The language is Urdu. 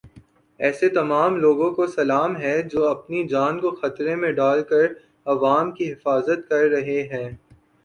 ایسے تمام لوگوں کو سلام ہے جو اپنی جان کو خطرے میں ڈال کر عوام کی حفاظت کر رہے ہیں۔